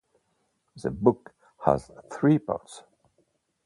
The book has three parts.